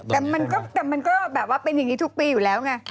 แต่มันก็แบบว่าเป็นอย่างนี้ทุกปีอยู่แล้วไง